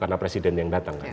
karena presiden yang datang